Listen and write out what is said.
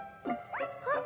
あっ！